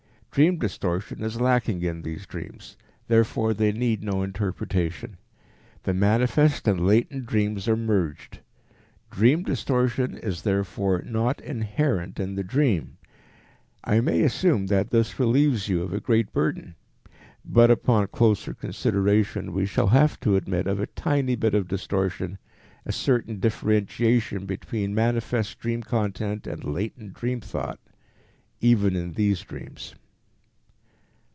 Dream distortion is lacking in these dreams, therefore they need no interpretation. The manifest and latent dreams are merged. Dream distortion is therefore not inherent in the dream. I may assume that this relieves you of a great burden. But upon closer consideration we shall have to admit of a tiny bit of distortion, a certain differentiation between manifest dream content and latent dream thought, even in these dreams.